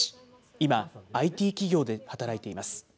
今、ＩＴ企業で働いています。